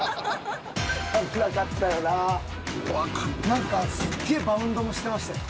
何かすっげぇバウンドもしてましたよ。